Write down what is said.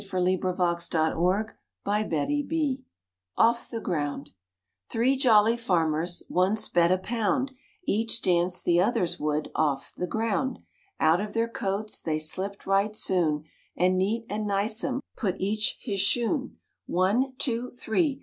Sir Walter Scott 1248] RAINBOW GOLD OFF THE GROUND THREE jolly Farmers Once bet a pound Each dance the others would Off the ground. Out of their coats They slipped right soon, And neat and nicesome Put each his shoon. One Two Three